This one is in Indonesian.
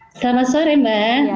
selamat sore mbak